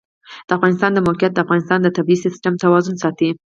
د افغانستان د موقعیت د افغانستان د طبعي سیسټم توازن ساتي.